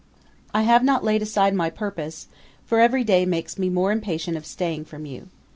'I have not laid aside my purpose; for every day makes me more impatient of staying from you.